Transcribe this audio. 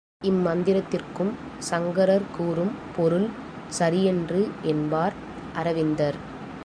இம்மந்திரத்திற்கும் சங்கரர் கூறும் பொருள் சரியன்று என்பார் அரவிந்தர்.